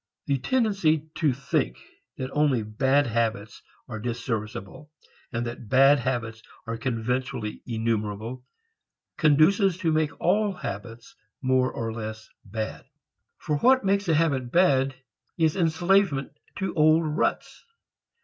The tendency to think that only "bad" habits are disserviceable and that bad habits are conventionally enumerable, conduces to make all habits more or less bad. For what makes a habit bad is enslavement to old ruts.